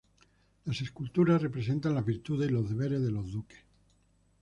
Las esculturas representan las virtudes y los deberes de los duques.